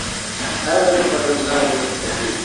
اے میرے پروردگا مجھے توفیق دے